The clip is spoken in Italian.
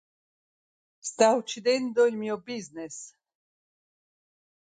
Sta uccidendo il mio business.”